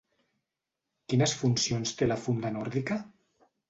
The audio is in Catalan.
Quines funcions té la funda nòrdica?